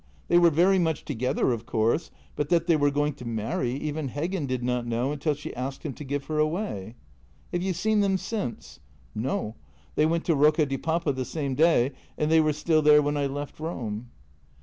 They were very much together, of course, but that they were going to marry even Heggen did not know until she asked him to give her away." " Have you seen them since? "" No. They went to Rocca di Papa the same day, and they were still there when I left Rome."